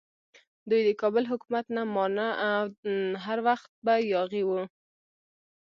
دوی د کابل حکومت نه مانه او هر وخت به یاغي وو.